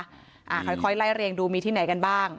ค่อยค่อยไล่เรียงดูมีที่ไหนกันบ้าง